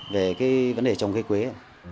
về vấn đề chống cây quế